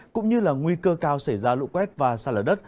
cũng như là nguy cơ cao xảy ra lũ quét và xa lở đất